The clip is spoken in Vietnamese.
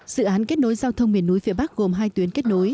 dự án kết nối giao thông miền núi phía bắc gồm hai tuyến kết nối